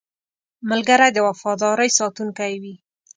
ملګری د وفادارۍ ساتونکی وي